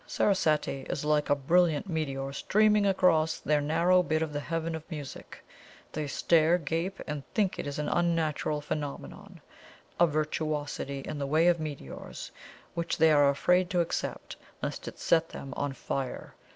Sarasate is like a brilliant meteor streaming across their narrow bit of the heaven of music; they stare, gape, and think it is an unnatural phenomenon a 'virtuosity' in the way of meteors, which they are afraid to accept lest it set them on fire.